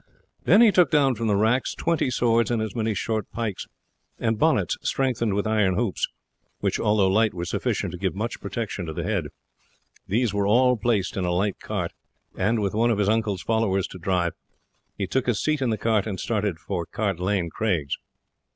Then he took down from the racks twenty swords and as many short pikes, and bonnets strengthened with iron hoops, which, although light, were sufficient to give much protection to the head. These were all placed in a light cart, and with one of his uncle's followers to drive, he took his seat in the cart, and started for Cart Lane Craigs.